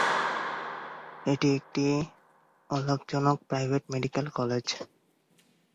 এটি একটি অলাভজনক প্রাইভেট মেডিকেল কলেজ।